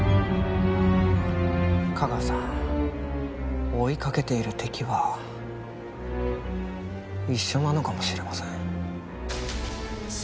架川さん追いかけている敵は一緒なのかもしれません。